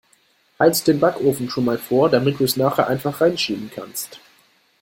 Heiz' den Backofen schon mal vor, damit du es nachher einfach 'reinschieben kannst.